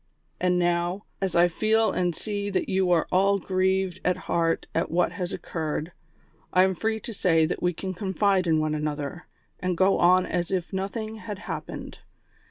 " And now, as I feel and see that you are all grieved at heart at what has occurred, I am free to say that we can confide in one another, and go on as if nothing had hap pened.